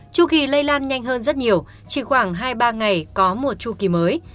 chu kỳ lây lan nhanh hơn rất nhiều chỉ khoảng hai ba ngày có mùa chu kỳ mới